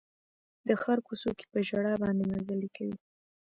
د ښار کوڅو کې په ژړا باندې مزلې کوي